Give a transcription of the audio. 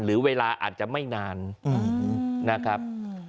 หรือเวลาอาจจะไม่นานนะครับ